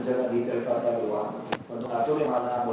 selepas itu mungkin dua ribu lima belas